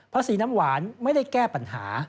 สีน้ำหวานไม่ได้แก้ปัญหา